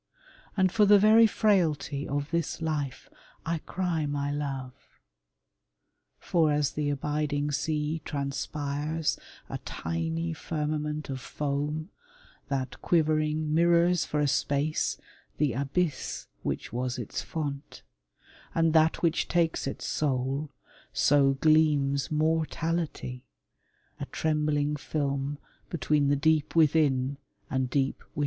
And for the very frailty of this life I cry my love. For as the abiding sea Transpires a tiny firmament of foam That, quivering, mirrors for a space the abyss Which was its font, and that which takes its soul, So gleams mortality, a trembling film Between the deep within and deep without.